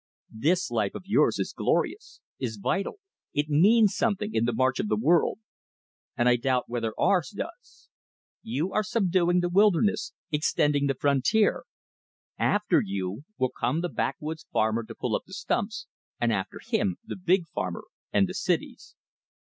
This life of yours is glorious, is vital, it means something in the march of the world; and I doubt whether ours does. You are subduing the wilderness, extending the frontier. After you will come the backwoods farmer to pull up the stumps, and after him the big farmer and the cities."